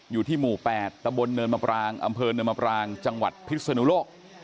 อยู่ที่หมู่๘ตะบนเนินมะปรางอำเภอเนินมปรางจังหวัดพิศนุโลก